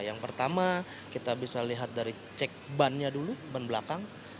yang pertama kita bisa lihat dari cek bannya dulu ban belakang